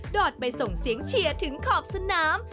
อดไปส่งเสียงเชียร์ถึงขอบสนาม